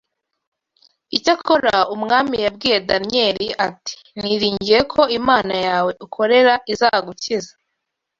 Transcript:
Icyakora, umwami yabwiye Daniyeli ati ‘niringiye ko Imana yawe ukorera izagukiza.’